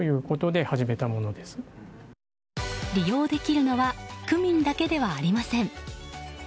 利用できるのは区民だけではありません。